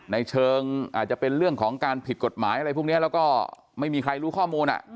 ในเชิงอาจจะเป็นเรื่องของการผิดกฎหมายอะไรพวกนี้แล้วก็ไม่มีใครรู้ข้อมูล